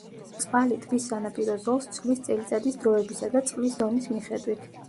წყალი ტბის სანაპირო ზოლს ცვლის წელიწადის დროებისა და წყლის დონის მიხედვით.